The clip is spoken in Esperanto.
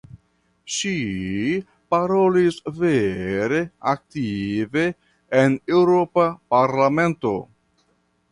Ŝi parolis vere aktive en Eŭropa parlamento.